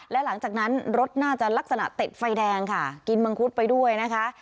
และหลังจากนั้นรถน่าจะลักษณะติดไฟแดงค่ะกินมังคุดไปด้วยนะคะ